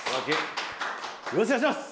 よろしくお願いします！